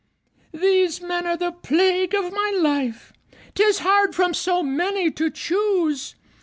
These men are the plague of my life: 'Tis hard from so many to choose!